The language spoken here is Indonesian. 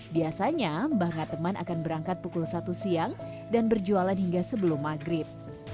biasanya mbah ngateman akan berangkat pukul satu siang dan berjualan hingga sebelum maghrib